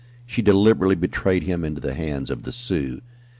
She deliberately betrayed him into the hands of the Sioux.